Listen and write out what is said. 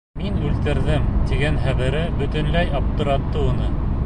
«Мин үлтерҙем» тигән хәбәре бөтөнләй аптыратты уны.